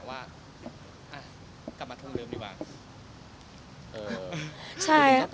กลับมาทงเดิมดีกว่า